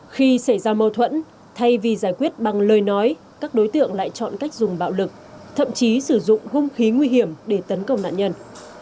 khi xảy ra mâu thuẫn thay vì giải quyết bằng lời nói các đối tượng lại chọn cách dùng bạo lực thậm chí sử dụng hung khí nguy hiểm để tấn công nạn nhân